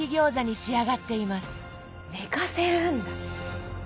寝かせるんだ。